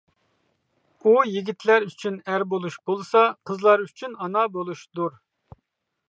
ئۇ يىگىتلەر ئۈچۈن ئەر بولۇش بولسا، قىزلار ئۈچۈن ئانا بولۇشىدۇر.